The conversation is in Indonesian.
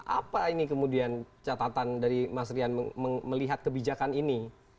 apa ini kemudian catatan dari mas rian melihat kebijakan ini